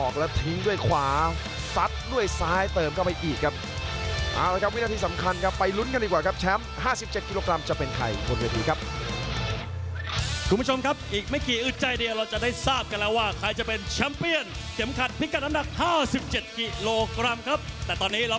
แข่งขวามาก่อนครับอุ๊กร่า